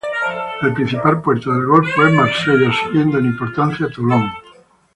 El principal puerto del golfo es Marsella, siguiendo en importancia Toulon.